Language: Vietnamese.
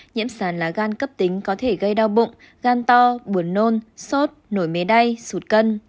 nhiễm sán lá gan cấp tính có thể gây đau bụng gan to buồn nôn sốt nổi mé đay sụt cân